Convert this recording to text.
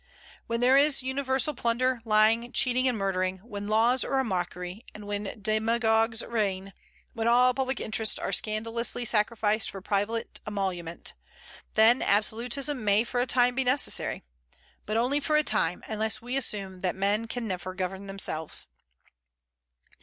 When there is universal plunder, lying, cheating, and murdering; when laws are a mockery, and when demagogues reign; when all public interests are scandalously sacrificed for private emolument, then absolutism may for a time be necessary; but only for a time, unless we assume that men can never govern themselves.